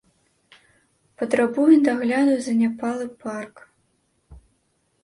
Патрабуе дагляду заняпалы парк.